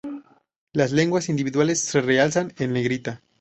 Las lenguas individuales se realzan en negrita.